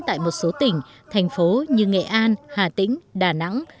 tại một số tỉnh thành phố như nghệ an hà tĩnh đà nẵng